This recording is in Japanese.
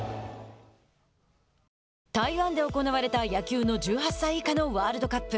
台湾で行われた野球の１８歳以下のワールドカップ。